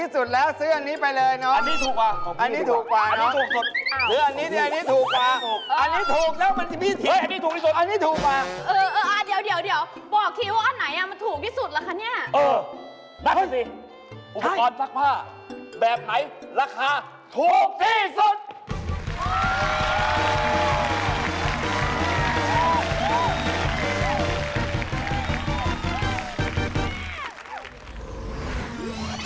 สวัสดีครับ